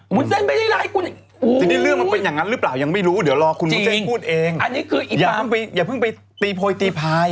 จริงนี้เรื่องมันเป็นอย่างนั้นหรือเปล่ายังไม่รู้เดี๋ยวรอคุณพ่อเจ๊พูดเองอย่าเพิ่งไปตีโพยตีพาย